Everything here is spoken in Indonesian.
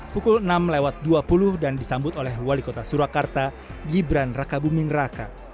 pukul enam dua puluh dan disambut oleh wali kota surakarta gibran rakabuming raka